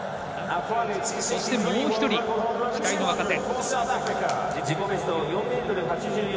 そしてもう１人、期待の若手。